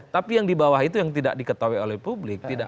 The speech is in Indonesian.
tapi yang di bawah itu yang tidak diketahui oleh publik